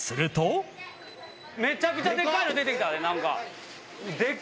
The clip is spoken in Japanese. めちゃくちゃでかいの出てきた、何か。